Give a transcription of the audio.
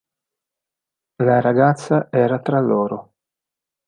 La ragazza era tra loro.